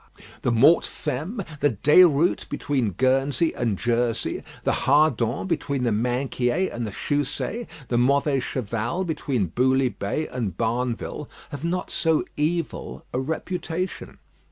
_" the Mortes Femmes, the Déroute between Guernsey and Jersey, the Hardent between the Minquiers and Chousey, the Mauvais Cheval between Bouley Bay and Barneville, have not so evil a reputation.